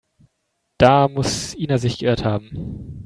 Da muss Ina sich geirrt haben.